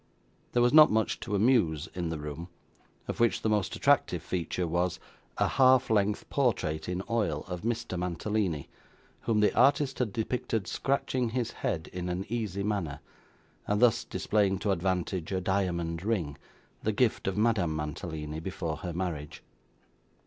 There was not much to amuse in the room; of which the most attractive feature was, a half length portrait in oil, of Mr. Mantalini, whom the artist had depicted scratching his head in an easy manner, and thus displaying to advantage a diamond ring, the gift of Madame Mantalini before her marriage.